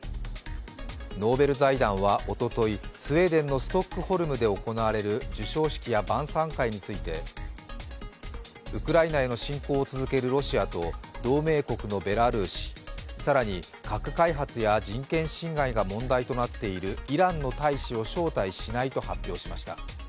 ノーベル財団はおととい、スウェーデンのストックホルムで行われる授賞式や晩さん会について、ウクライナへの侵攻を続けるロシアと同盟国のベラルーシ、更に核開発や人権侵害が問題となっているイランの大使を招待しないと発表しました。